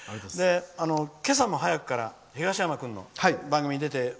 今朝も早くから東山君の番組に出て。